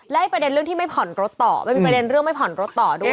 และประเด็นเรื่องที่ไม่ผ่อนรถต่อมันมีประเด็นเรื่องไม่ผ่อนรถต่อด้วย